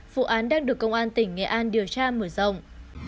vụ án đang được công an tỉnh nghệ an điều tra mở rộng